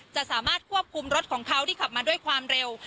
จะสามารถควบคุมรถของเขาที่ขับมาด้วยความเร็ว